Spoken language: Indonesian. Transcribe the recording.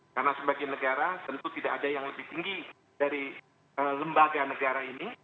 karena sebagai negara tentu tidak ada yang lebih tinggi dari lembaga negara ini